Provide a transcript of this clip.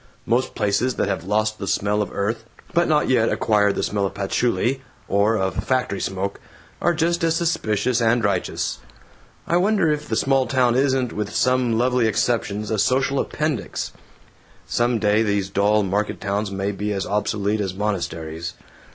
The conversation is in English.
Most places that have lost the smell of earth but not yet acquired the smell of patchouli or of factory smoke are just as suspicious and righteous. I wonder if the small town isn't, with some lovely exceptions, a social appendix? Some day these dull market towns may be as obsolete as monasteries.